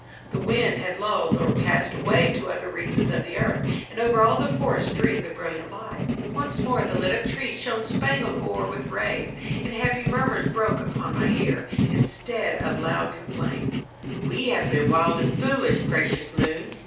The wind had lulled or passed away to other regions of the earth, and over all the forest streamed the brilliant light. Once more the lit up trees shone spangled o'er with rays; and happy murmurs broke upon my ear, instead of loud complaints. "We have been wild and foolish, gracious moon!"